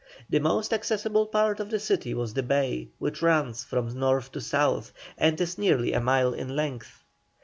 The most accessible part of the city was the bay, which runs from north to south, and is nearly a mile in length.